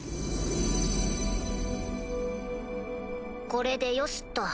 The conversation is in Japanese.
これでよしっと。